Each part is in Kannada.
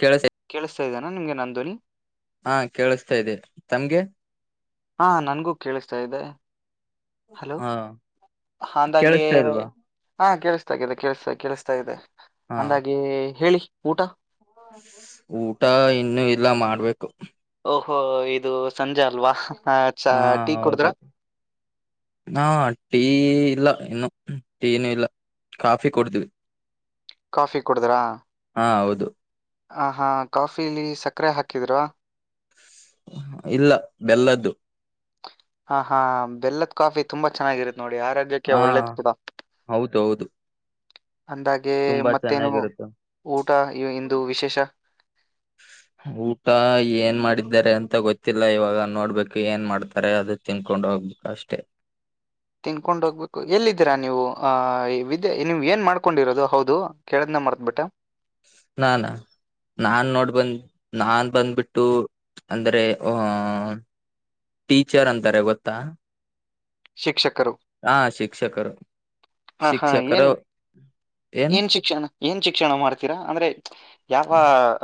ಕೇಳಸ ಕೇಳಿಸತಾ ಇದೇಾನ ನಿಮ್ಗೆ ನ ಧ್ವನಿ ಹಾ ಕೇಳಿಸತಾ ಇದೆ ತಮ್ಗೆ ಹಾ ನನ್ಗೂ ಕೇಳಿಸ್ತಾ ಇದೆೆ ಹಲೋ ಹಾ ಹಾಗೆ ಕೇಳಿಸ್ತಾ ಇಲ್ವಾ ಹಾ ಕೇಳಿಸ್ತಾಿದೆ ಕೇಳಿಸ್ತ ಕೇಳಿಸ್ತಾ ಇದೆ ಹಾ ಅಂದಾಗಿೆ ಹೇಳಿ ಊಟ ಊಟ ಇನ್ನುೂ ಇಲ್ಲ ಮಾಡ್ಬೇಕು ಓಹೋ ಇದು ಸಂಜೆ ಅಲ್ವಾ ಆ, ಚಾ ಹಾ ಟೀ ಹೌದು ಕುಡಿದ್ರಾ ಹಾ ಟೀ ಇಲ್ಲ ಇನ್ನು ತಟೀನುೂ ಇಲ್ಲ ಕಾಫಿ ಕೊಡ್ತವಿ ಕಾಫಿ ಕುಡದ್ರಾ ಹಾ ಹೌದು ಹ ಹಾ ಕಾಫಿಲಿ ಸಕ್ಕರೆ ಹಾಕಿದ್ ಇಲ್ಲ ಬೆಲ್ಲದ್ದು ಹ ಹಾ ಬೆಲ್ಲದ ಕಾಫಿ ತುಂಬಾ ಚೆನ್ನಾಗಿರುತ್ತೆ ನೋಡಿ ಆ ರಾಜ್ಯಕ್ಕೆ ಹಾ ಒಳ್ಳೇದ ಕಡಾ ಹೌದು ಹೌದು ತುಂಬಾ ಚೆನ್ನಾಗಿರುತ್ತೆ ಊಟ ಇ- ಇಂದು ವಿಶೇಷ ಊಟ ಏನ್ ಮಾಡಿದ್ದಾರೆ ಅಂತ ಅಂತ ಗೊತ್ತಿಲ್ಲ ಇವಾಗ ನೋಡ್ಬೇಕು ಏನ್ ಮಾಡ್ತಾರೆ ಅದು ತಿನ್ಕೊಂಡ್ ಹೋಗ್ಬೇಕು ಅಷ್ಟೆ ತಿನ್ಕೊಂಡ ಹೋಗ್ಬೇಕು ಎಲ್ಲಿದ್ದೀರಾ ನೀವು ವಿದ್ಯ ನೀವು್ ಏನ್ ಮಾಡ್ಕೊಂಡಿರೋದು ಹೌದು ಕೇಳದ್ನ ಮಾಡತ್ಬಿಟ್ಟ ನಾನಾ ನಾ ನೋಡ್ ಬಂದ್ ನಾನ್ ಬಂದ್ಬಿಟ್ಟು ಅಂದ್ರೆ ಅ ಟೀಚರ್ ಅಂತಾರೆ ಗೊತ್ತಾ ಶಿಕ್ಷಕರು ಹಾ ಶಿಕ್ಷಕರು ಹ ಹಾ ಶಿಕ್ಷಕರು ಏನ್ ಏನು ಏನ್ ಶಿಕ್ಷಣ ಏನ್ ಶಿಕ್ಷಣ ಮಾಡ್ತೀರಾ ಅಂದ್ರೆ ಯಾವ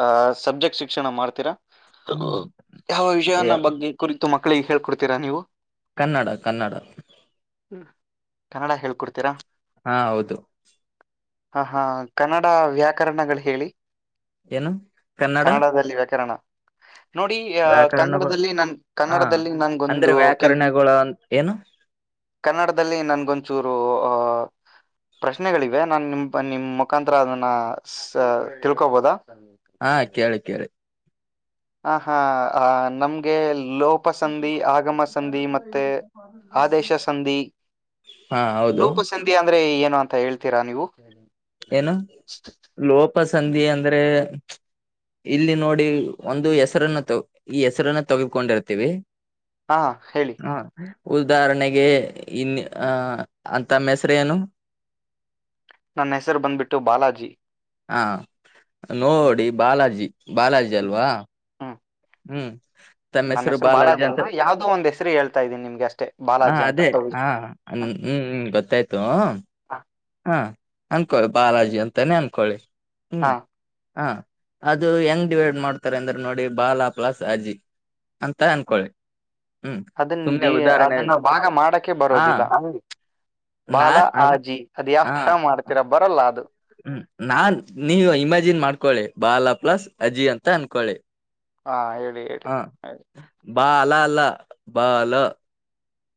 ಆ ಸಬ್ಜೆಕ್ಟ್ ಶಿಕ್ಷಣ ಮಾಡ್ತೀರಾ ಹ್ಮ್ ಯಾವ ವಿಷಯನ ಯ- ಬಗ್ಗೆ ಕುರಿತು ಮಕ್ ಳಿಗ್ ಹೇಳ್ಕೊಡ್ತೀರಾ ನೀವು ಕನ್ನಡ ಕನ್ನಡ ಕನ್ನಡ ಹೇಳ್ಕೊಡ್ತೀರಾ ಹಾ ಹೌದು ಹ ಹಾ ಕನ್ನಡ ವ್ಯಾಕರಣಗಳು ಹೇಳಿ ಏನು ಕನ್ನಡ ಕನ್ನಡದಲ್ಲಿ ವ್ಯಾಕರಣ ನೋಡಿ ಅ ವ್ಯಾಕರಣಗಳು ಕನ್ನಡದಲ್ಲಿ ನನ್ ಹಾ ಕನ್ನಡದಲ್ಲಿ ಅಂದ್ರೆ ನನ್ಗೊಂದು ಕೆಲ್ ವ್ಯಾಕರಣಗಳು ಅನ್- ಏನು ಕನ್ನಡ ದಿಲ್ಲಿ ನನ್ಗೊಂಚೂರು ಆ ಪ್ರಶ್ನೆಗಳಿವೆ ನಾನ್ ನಿಮ್ ನಿಮ್ ಮುಖಾಂತರ ಅದನ್ನ ಸ ತಿಳ್ಕೋಬೋದಾ ಹಾ ಕೇಳಿ ಕೇಳಿ ಹ ಹಾ ಆ ನಮ್ಗೆ ಲೋಪ ಸಂಧಿ ಆಗಮ ಸಂಧಿ ಮತ್ತೆ ಆದೇಶ ಸಂಧಿ ಹಾ ಹೌದು ಲೋಪ ಸಂಧಿ ಅಂದ್ರೆ ಏ ಅಂತ ಹೇಳ್ತೀರಾ ನೀವು ಏನು ಲೋಪ ಸಂಧಿ ಅಂದ್ರೆ ಇಲ್ಲಿ ನೋಡಿ ಒಂದು ಹೆಸರನ್ನ ತ ಈ ಹೆಸರನ್ನ ತಗಕೊಂಡಿರ್ತೀವಿ ಹಾ ಹೇಳಿ ಉದಾಹರಣೆಗೆ ಇನ್ನ ಅ ತಮ್ಮ ಹೆಸರೇನು ನನ್ನ ಹೆಸರು ಬಂದ್ಬಿಟ್ಟು ಬಾಲಾಜಿ ಹಾ ಹ್ಮ್ ನೋಡಿ ಬಾಲಾಜಿ ಬಾಲಾಜಿ ಅಲ್ವಾ ಹ್ಮ್ ಹ್ಮ್ ನನ್ನ ಹೆಸರು ಬಾಲಾಜಿ ಅಲ್ ಯಾವ್ದೋ ಒಂದ್ ಹೆಸರು ಹೇಳ್ತಾ ಇದ್ದೀನಿ ನಿಮ್ಗೆ ಅಷ್ಟೇ ಹಾ ಬಾಲಾಜಿ ಅಂತ ಅದೇ ತಗೊಳ್ಳಿ ಹಾ ಹ್ಮ್ ಹ್ಮ್ ಹ ಅನ್ಕೊಳ್ಳಿ ಬಾಲಾಜಿ ಅಂತಾನೇ ಅನ್ಕೊಳ್ಳಿ ಹಾ. ಹ್ಮ್ ಹ ಅದು ಹೆಂಗ್ ಡಿವೈಡ್ ಮಾಡ್ತಾರೆ ಅಂದ್ರೆ ನೋಡಿ ಬಾಲಾ ಪ್ಲಸ್ ಅಜ್ಜಿ ಅಂತ ಅನ್ಕೊಳ್ಳಿ ಹ್ಮ್ ಅದನ್ ಸುಮ್ನೆ ಉದಾಹರಣೆ ಅದನ್ನ ಭಾಗ ಮಾಡೋಕೆ ಹಾ ಬರೋದಿಲ್ಲ ನಾ ಬಾಲ ಅನ್ ಆಜಿ ಅದು ಯಾವ್ ಹಾ ಥರ ಮಾಡ್ತೀರಾ ಬರಲ್ಲ ಅದು ಹ್ಮ್ ನಾನ್ ನೀವು ಇಮ್ಯಾಜಿನ್ ಮಾಡ್ಕೊಳಿ ಬಾಲ ಪ್ಲಸ್ ಅಜೀ ಅಂತ ಅನ್ಕೊಳಿ ಹಾ ಹೇಳಿ ಹೇಳಿ ಹಾ ಹೇಳಿ. ಬಾ ಲಾ ಅಲ್ಲ ಬಾಲ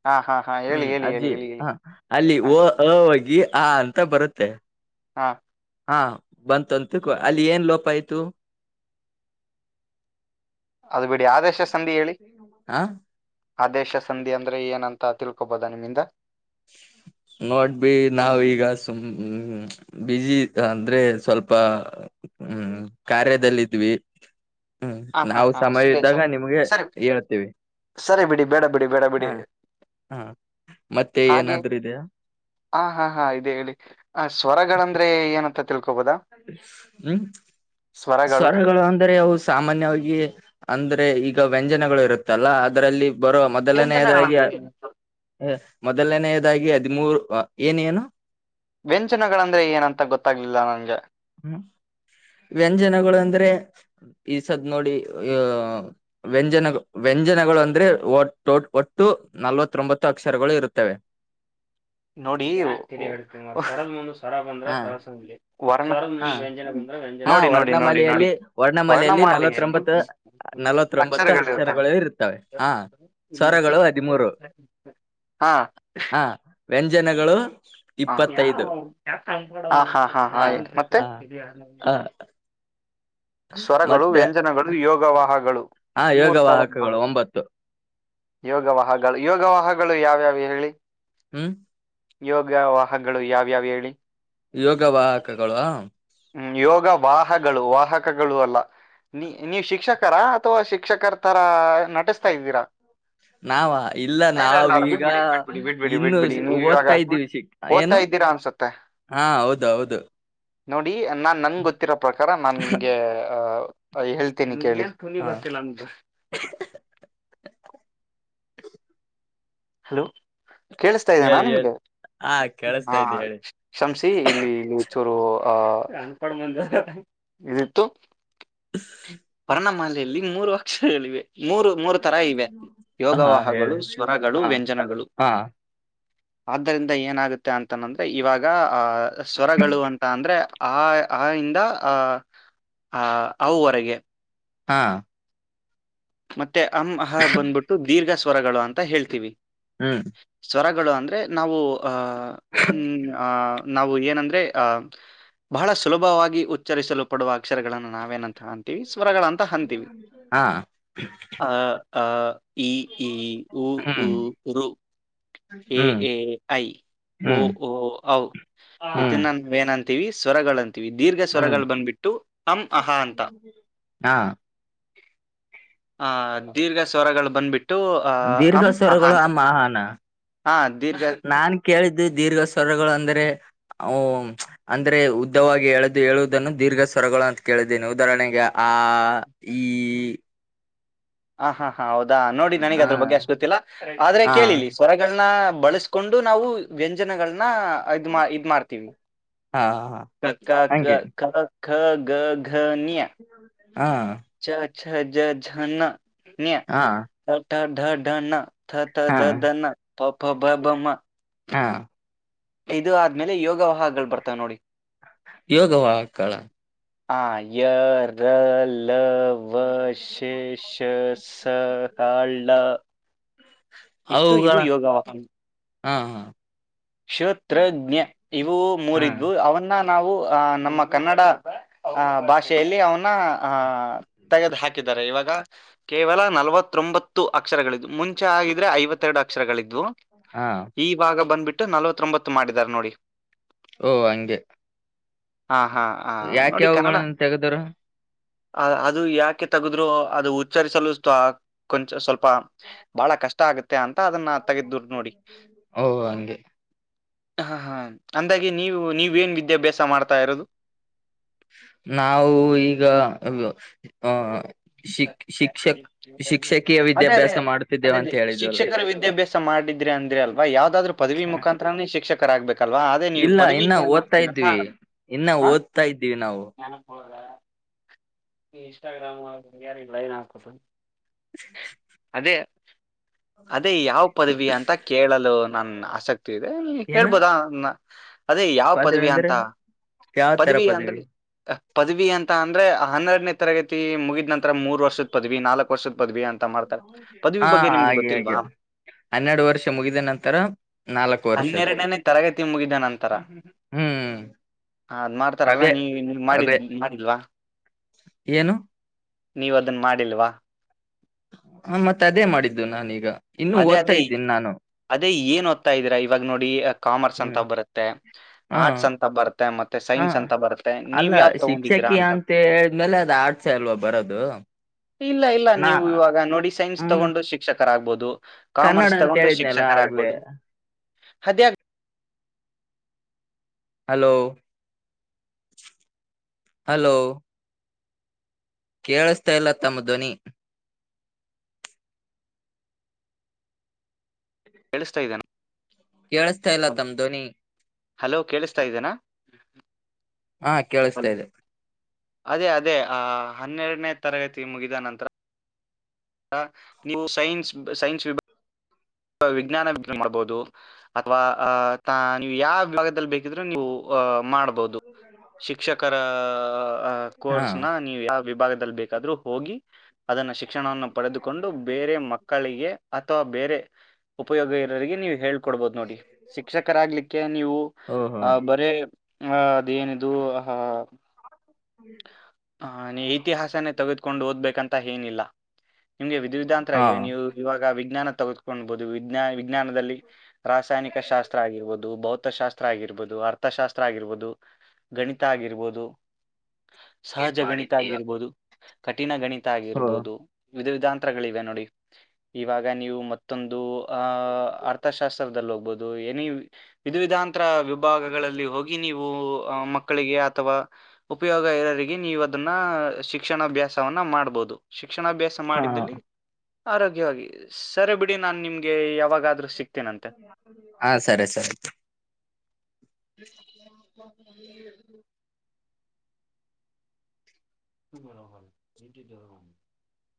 ಹಾ ಹಾ ಹಾ ಹೇಳಿ ಹ್ಮ್ ಹೇಳಿ ಹೇಳಿ ಅಜ್ಜಿ ಹೇಳಿ ಹೇಳಿ ಹ ಅಲ್ಲಿ ಹಾ ೋಗಿ ಹಾ ಅಂತ ಬರುತ್ತೆ ಹಾ ಹಾ ಬಂತಂತು ಅಲ್ಲಿ ಏನ್ ಲೋಪಯತ ತ್ತು ಅದು ಬಿಡಿ ಆದೇಶ ಸಂಧಿ ಹೇಳಿ ಹ ಆದೇಶ ಸಂಧಿ ಅಂದ್ರೆ ಏನಂತ ತಿಳ್ಕೊಬೋದಾ ನಿಮ್ಮಿಂದ ನೋಡ್ವಿ ನಾವ ಈಗ ಸುಮ್ ಬಜಿ ಅಂದ್ರೆ ಸ್ವಲ್ಪ ಹ್ಮ್ ಕಾರ್ಯದಲ್ಲಿದ್ವಿ ಹ್ಮ್ ಹಾ ಹಾ ನಾವವು ಹಾ ಸಮಯ ಸರಿ ಇದ್ದಾಗ ಸ್ವಲ್ಪ ನಿಮ್ಗೆ ಸರಿ ಹೇಳ್ತೇವಿ ಸರಿ ಬಿಡಿ ಬೇಡ ಬಿಡಿ ಬೇಡ ಹಾ ಬಿಡಿ ಹ ಮತ್ತೆ ಏನಾದ್ೂ ಇದೆಯಾ ಹ ಹಾ ಹಾ ಇೇ ಹೇಳಿ ಆ ಸ್ವರಗಳಂದ್ರೆ ಏನತ್ತ ಹ್ಮ ಸ್ವರಗಳು ಸ್ವರ್ಗಳು ಅಂದ್ರೆ ಅವು ಸಾಮಾನ್ಯ ಅಂದ್ರೆ ಈಗ ವ್ಯಂಜನಗಳು ಇರುತ್ತಲ್ಲ ಅದರಲ್ಲಿ ಬರುವ ಮೊದಲನೆಯದಾಗಿ ವ್ಯಂಜನಗಳಂದ್ರೆ ಏನು ಮೊದಲನೆಯ ಾಗಿ ಹದಿಮೂರು ಏನೇಏನು ವ್ಯಂಚನಗಳಂದ್ರೆ ಏನಂತ ಗೊತ್ತಾಗ್ಲಿಲ್ಲ ನಂಗೆ ಹ್ಮ ವ್ಯಂಜನಗಳು ಅಂದ್ರೆ ಈ ಸದ್ ನೋಡಿ ಅ ವ್ಯಂಜನ ವ್ಯಂಜನಗಳು ಅಂದ್ರೆ ಒಟ್ಟು ನಲ್ವತ್ತೊಂಬತ್ತು ಅಕ್ಷರಗಳು ಇರುತ್ತವೆ ನೋಡಿ ಸರ ಬಂದ್ರ ಹಾ ಸರ ಸಂ್ಲಿ ಹಾ ಹಾ ನೋಡಿ ನೋಡಿ ನೋಡಿ ನೋಡಿ ವರ್ಣಮಾಲೆಯಲ್ಲಿ ವರ್ಣಮಾಲೆಯಲ್ಲಿ ವರ್ಣಮಾಲ ನಲವತ್ತೊಂಬತ್ತು ಅಕ್ಷರ ನಲವತ್ತೊಂಬತ್ತು ಅಕ್ಷರಗಳು ಇರುತ್ತವೆ ಹಾ ಇ ಸ್ವರಗಳು ಹದಿಮೂರು ಹಾ ಜನಗಳು ಹ ಹ ಹಾ ಹಾ ಹಯ್ತ ಮತ್ತೆ ಹಾ ಇದ ಹಾ ಸ್ವರಗಳು ಮತ್ತೆ ವ್ಯಂಜನಗಳು ಯೋಗವಾಹಗಳು ಹಾ ಮೂರ್ ತರದ ಯೋಗವಾಹಕಗಳು ಬರುತ್ತೆ ಒಂಬತ್ತು ಯೋಗವಾಹಗಳು ಯೋಗವಾಹಗಳು ಯಾವ್ಯಾವ ಹಿ ಹ್ಮ್ ಯೋಗವಾಾಹಗಳು ಯಾವ್ಯಾವ್ ಹೇಳಿ ಯೋಗವಾಾಹಕಗಳು ್ಮ ಯೋಗ ವಾಹಗಳು ವಾಹ ಪಕಗಳು ಅಲ್ಲ ನೀ ನೀವ್ ಶಿಕ್ಷಕರ ಅಥವಾ ಶಿಕ್ಷಕರ ತರಾ ನಟಿಸ್ತಾ ಇದ್ದೀರಾ ನಾವ ಇಲ್ಲ ಇಲ್ಲ ನಾವೀಗ ಬಿಟ್ಬಿಡಿ ಬಿಟ್ಬಿಡಿ ಬಿಟ್ಬಿಡಿ ಇನ್ನು ಬಿಟ್ಬಿಡಿ ನೀವು ಇವಾಗ ಓದ್ತಾ ಇದ್ದೀವಿ ಶಾ ಓದ್ತಾ ಏನು ಇದ್ದೀರಾ ಅನ್ಸುತ್ತೆ ಹಾ ಹೌದೌದು ನೋಡಿ ನಾನ್ ನನ್ಗೆ ಗೊತ್ತಿರೋ ಪ್ರಕಾರ ನಾನನ್ ನಿಮ್ಗೆ ಆ ಹೇಳ್ತೇನೆಿ ುನ ಹಾ ಬತ್ತತೆಲ್ಲಾಮಗ [inaudible] ಹಲೋ ಕೇಳಸ್ತಾ ಇದೇಾನ ಹೇಳಿ ಹೇಳಿ ನಿಮ್ಗೆ ಹಾ ಹ ಕೇಳಿಸ್ತಾ ಇದೆ ಹೇಳಿ ಕಷಮ್ಸಿ ಇಲ್ಲಿ ಚೂರು ಆ ಅನ್ಕಂದ ಇದಿತ್ತು ವರ್ಣಮಾಲೆಯಲ್ಲಿ ಮೂರು ಅಕ್ಷರಗಳಿವೆ ಮೂರು ಮೂರು ತರ ಇವೆ ಹಾ ಯೋಗವಾಹಗಳು ಹೇಳಿ ಸ್ವರಗಳು ಹಾ ವ್ಯಂಜನಗಳು ಹಾ ಆದ್ದರಿಂದ ಏನಾಗುತ್ತೆ ಅಂತನಂದ್ರೆ ಇವಾಗ ಆಹ ಸ್ವರಗಳು ಅಂತ ಅಂದ್ರೆ ಆ ಆ ಇಿಂದ ಆ ಆ ಅವರೆಗೆ ಹಾ ಮತ್ತೆ ಮ ಅಮ್ ಅಹ ಬಂದ್ಬಿಟ್ಟು ದೀರ್ಘ ಸ್ವರಗಳು ಅಂತ ಹೇಳ್ತೀವಿ ಹ್ಮ್ ಗಳು ಅಂದ್ರೆ ನಾವು ಆ ಹ್ಮ್ ಆ ನಾವು ಏನಂದ್ರೆ ಆಹ ಬಹಳ ಸುಲಭವಾಗಿ ಉಚ್ಚರಿಸಲು ಪಡುವ ಅಕ್ಷರಗಳನ್ನು ನಾವೇನಂತ ಕಾಣಂತೀವಿ ರಗಳಂತ ಅಂತೀವಿ ಹಾ ಹ ಆ ಈ ಇ ಉಊ ಹ್ಮ್ ಊ ಋ ಎ ಹ್ಮ್ ಎ ಐ ಓ ಹ್ಮ್ ಓ ಔ ಹ್ಮ್ ಇದನ್ನೇನಂತ ವಿ ಸ್ವರಗಳಂತೆ ದೀರ್ಘ ಹ್ಮ್ ಸ್ವರಗಳು ಬಂದ್ಬಿಟ್ಟು ಅಂ ಅಹಾ ಅಂತ ಹಾ ಹ ದೀರ್ಘ ಸ್ವರಗಳು ಬಂದ್ಬಿಟ್ಟು ಅ ದೀರ್ಘ ಅಂ ಅಹ ಸ್ವರಗಳು ಆ ಅಂತ ಮಹಾನ ಹಾ ದೀರ್ಘ ನಾನ್ ಕೇಳಿದ್ದು ದೀರ್ಘ ಸ್ವರಗಳು ಅಂದ್ರೆ ಓ ಅಂದ್ರೆ ಉದ್ದವಾಗಿ ಎಳದು ಹೇಳುವುದನ್ನು ದೀರ್ಘ ಸ್ವರಗಳು ಅಂತ ಕೇಳಿದ್ದೇನಿ ಉದಾಹರಣೆಗೆ ಆ ಈ ಹ ಹಾ ಹಾ ಹೌದು ಅ ನೋಡಿ ನನಗ್ ಆ ಅದ್ರ ಬಗ್ಗೆ ಅಷ್ಟ ಗೊತ್ತಿಲ್ಲ ಆದ್ರೆ ಕೇಳಿ ಸ್ವರಗಳನ್ನ ಬಳಿಸ ಕೊಂಡು ನಾವು ಆ ವ್ಯಂಜನಗಳನ್ನ ್ ಇದ್ ಮಾಡ್ತೀವಿ ಹಾ ಹಾ ಕ [inaudible] ಹಂಗೆ ಕ ಗ ಗ್ ಘ ಙ ಹಾ ಛ ಜ ಝ ನ ನೀಯಾ ಹಾ ಟ ಡ ಣ ಹಾ ಞ ಪ ಪ ಬ ಭ ಮ ಹಾ ಇದು ಆದ್ಮೇಲೆ ಯೋಗವಾಹಗಳು ಬರ್ತಾವ ನೋಡಿ ಯೋಗವಾಕ್ಕಳ ಆಯರಲ ವಷಷ ಸ ಹಳ್ ಳ ಇಷ್ಟು ಇವು ಅವುಗಳ ಯೋಗವಾಾಹನ ಹಾ ಹಾ ಕ್ಷೋತ್ರಜ್ಞೆ ಇವು ಹಾ ಮೂರಿದ್ವು ಅವನ್ನ ನಾವು ಆ್ ನಮ್ಮ ಕನ್ನಡ ಆ್ ಭಾಷೆಯಲ್ಲಿ ಅವನ್ನ ಅಹ್ ತೆಗೆದು ಹಾಕಿದ್ದಾರೆ ಇವಾಗ ಕೇವಲ ನಲವತ್ತೊಂಬತ್ತು ಅಕ್ಷರಗಳು ಮುಂ ಂ ಆಗಿದ್ರೆ ಐವತ್ತೆರಡು ಅಕ್ಷರಗಳಿದ್ವು ಹಾ ಈವಾಗ ಬಂದ್ಬಿಟ್ಟು ನಲವತ್ತೊಂಬತ್ತು ಮಾಡಿದಾರ ನೋಡಿ ಓ ಹಂಗೆ ಹಾ ಹಾ ಹಾ ಯಾಕ ನೋಡಿ ಯಾವೋಣ ಕನ್ನಡ ತೆಗದರು ಅ ಅದು ಯಾಕೆ ತಗದ್ರು ಅದು ಉಚ್ಚರಿಸಲು ಕೊಂಚ ಸ್ವಲ್ಪ ಬಹಳ ಕಷ್ಟ ಆಗುತ್ತೆ ಅಂತ ಅದನ್ನ ತೆಗೆದ್ರು ಓ ಹಂಗೆ ಹ ಹಾ ಅಂದಾಗೆ ನೀವು ನೀವೇನ್ ವಿದ್ಯಾಭ್ಯಾಸ ಮಾಡ್ತಾ ಇರೋದು ನಾವು ಈಗ ಅ ಅದೇ ಅದೇ ವಿದ್ಯಾಭ್ಯಾಸ ಮಾಡುತ್ತಿದ್ದೇವೆ ಅದೇ ಅಂತ ಹೇಳಿದ್ವಲ್ಲ ಶಿಕ್ಷಕರ ವಿದ್ಯಾಭ್ಯಾಸ ಮಾಡಿದ್ರೆ ಅಂದ್ರೆ ಅಲ್ವಾ ಯಾವ್ದಾದ್ರು ಪದವಿ ಮುಖಾಂತ್ರರನೇ ಶಿಕ್ಷಕ ಆಗ್ಬೇಕು ಇಲ್ಲ ಇನ್ನ ಓದ್ತಾ ಇದ್ವಿ ಇನ್ನ ಹಾ ಓದ್ತಾ ಇದ್ದ್ೀವಿ ನಾವು ಇಸ್ಟಾಗ್ರಾಮಾರ ಲೈ್ ಆೋ [inaudible] ಅದೇ ಅದೇ ಯಾವ್ ಪದವಿ ಅಂತ ಕೇಳಲು ನನ್ನನ್ ಆಸಕ್ತಿ ದೆ ಏನು ಕೇಳ್ಬೋದ ಅದೇ ಯಾವ ಪದವಿ ಅಂತ ಯಾವ ತರ ಪದವಿಯ ಪದವಿ ಅಂದ್ರೆ ಪದವಿ ಅಂತ ಅಂದ್ರೆ ಹನ್ನೆಡ್ ವನ್ನೆ ತರಗತಿ ಮುಗಿದ್ಂತ ಮೂರು ವರ್ಷದ ಪದವಿ ನಾಲ್ಕು ಪಸ ಪದವಿ ಅಂತ ಮಾಡ್ತಾರೆ ಪದವಿ ಹಾ ಬಗ್ಗೆ ನಿಮ್ಗೆ ಹಾಗೆ ಹಾಗೆ ಗೊತ್ತಿಲ್ವಾ ಹನ್ನೆರಡು ವರ್ಷ ಮುಗಿದ ನಂತರ ನಾಲ್ಕು ವರ್ಷದ್ದು ಹನ್ನೆರಡನೆೇ ತರಗತಿ ಮುಗಿದ ನಂತರ ಹ್ಮ್ ಹ ಅದ್ ಮಾಡ್ತಾರಲ್ಲ ಅದೇ ನೀ ನೀ ಅದೇ ಮಾಡಿದ್ ಮಾಡಿಲ್ವಾ ಏನು ನೀವ ಅದನ್ ಮಾಡಿಲ್ವಾ ಹ ಮತ್ತೆ ಅದೇ ಮಾಡಿದ್ದು ನಾನೀಗ ಇನ್ನು ಓದ್ತಾ ಇದ್ದೀನಿ ನಾನು ಅದೆ ಏನ್ ಓದತಾ ಇದಿರಾ ಇವಾಗ ನೋಡಿ ಕಾಮರ್ಸ್ ಹ್ಮ್ ಅಂತ ಬರುತ್ತೆ ಹಾ ಆರ್ಟ್ಸ್ ಅಂತ ಬರುತ್ತೆ ಮತ್ತೆ ಹಾ ಸೈನ್ಸ್ ಅಂತ ಬರುತ್ತೆ ನೀವ್ ಅಲ್ಲ ಯಾವ ತಗೊಂಡಿದೀರಾ ಶಿಕ್ಷಕಿ ಅಂತ ಹೇಳಿದ್ಮೇಲೆ ಅದು ಆರ್ಟ್ಸ್ ಅಲ್ವಾ ಬರೋದು ಇಲ್ಲ ಇಲ್ಲ ನಾ ನೀವು ಇವಾಗ ನೋಡಿ ಸೈನ್ಸ್ ಹ್ಮ್ ತಗೊಂಡು ಶಿಕ್ಷಕ ಕ ಆಗ್ಬಹದು ಕನ್ನಡ ಅಂತ ಹೇಳಿದ್ನಲ್ಲ ಆಗ್ಲೆೇ ಅದಗ ಹಲೋ ಹಲೋ ಕೇಳಿಸ್ತಾ ಇಲ್ಲ ತಮ್ಮ ಧ್ವನಿ ಕೇಳಿಸ್ತಾ ಇದ್ದೇನ ಕೇಳಿಸ್ತಾ ಇಲ್ಲ ತಮ್ಮ ಧ್ವನಿ ಹಲೋ ಕೇಳಿಸ್ತಾ ಇದ್ದೇನಾ ಹಾ ಕೇಳಿಸ್ತಾ ಹಲೋ. ಇದೆ ಅದೇ ಅದೇ ಆ ಹನ್ನೆರಡನೇ ತರಗತಿ ಮುಗಿದ ನಂತರ ನೀವು ಸೈನ್ಸ್ ಸೈನ್ಸ್ ವಿಭಾಗ ವಿಜ್ಞಾನ ಮಾಡ್ಬಹುದು ಅಥ್ವಾ ಅ ನೀವು ಯಾವ ವಿಭಾಗದಲ್ಲಿ ಬೇಕಿದ್ರೆ ನೀವು ಅ ಮಾಡ್ಬೋ ಅ [unintelligible] ಹ ಕೋರ್ಸ್ ನ ನೀವು ಯಾವ ವಿಭಾಗದಲ್ಲಿ ಬೇಕಾದ್ರೂ ಹೋಗಿ ಅದನ್ನು ಶಿಕ್ಷಣವನ್ನು ಪಡೆದುಕೊಂಡು ಬೇರೆ ಮಕ್ಕಳಿಗೆ ಅಥವಾ ಬೇರೆ ಉಪಯೋಗ ಇರೋರಿಗೆ ನೀವು ಹೇಳ್ಕೊಡ್ಬೋದು ನೋಡಿ ಶಿಕ್ಷಕರಾಗ್ಲಿಕ್ಕೆ ನೀವು ಓಹೋ ಆಹ ಬರೇ ಹ ಅದೇನದು ಆಹ ಹ ನೀ ಇತಿಹಾಸನೇ ತೆಗೆದುಕೊಂಡು ಓದ್ ಬೇಕಂತ ಏನಿಲ್ಲ ನಿಮ್ಗೆ ವಿಧ ವಿಧಾಂತರ ಹಾ ಇವೆ ನೀವು ಇವಾಗ ವಿಜ್ಞಾನ ತಗೆದುಕೊಬಹುದು ವಿಜ್ಞಾ ವಿಜ್ಞಾನದಲ್ಲಿ. ರಾಸಾಯನಿಕ ಶಾಸ್ತ್ರ ಆಗಿರ್ಬಹದು ಭೌತಶಾಸ್ತ್ರ. ಆಗಿರ್ಬೋದು ಅರ್ಥಶಾಸ್ತ್ರ ಆಗಿರ್ಬೋದು ಗಣಿತ ಆಗಿರ್ಬೋದು. ಸಹಜ ಗಣಿತ ಮಾಡಿದ್ದೀಯ ಆಗಿರ್ಬೋದು. ಕಠಿಣ ಗಣಿತ. ಹೋ ಗಿರ್ಬೋದು. ವಿಧ ವಿಧಾಂತರಗಳಿವೆ ನೋಡಿ ಇವಾಗ ನೀವು ಮತ್ತೊಂದು. ಅ ಅರ್ಥಶಾಸ್ತ್ರದಲ್ಲೋ. ಹುದು ಏನ ವಿಧ ವಿಧಾಂತ. ತ್ರ ವಿಭಾಗಗಳಲ್ಲಿ ಹೋಗಿ ನೀವು ಮಕ್ಕಳಿಗೆ ಅಥವಾ. ಉಪಯೋಗ ಇರರಿಗೆ ನೀವು ಅದನ್ನ ಶಿಕ್ಷಣಾಭ್ಯಾಸವನ್ನ ಮಾಡ್ಬಹುದು. ಶಿಕ್ಷಣಾಭ್ಯಾಸ ಹಾ ಮಾಡಿದ್ದಲ್ಲಿ. ಆರೋಗ್ಯವಾಗಿ ಸರಿ ಬಿಡಿ ನಾನ್ ನಿಮ್ಗೆ ಯಾವಾಗ. ಹಾ ಸರಿ ಸರಿ. [inaudible] [unintelligible]